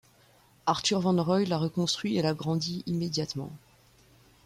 Arthur Van Roy la reconstruit et l'agrandit immédiatement.